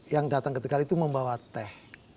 yang datang ke tegal itu membawa teh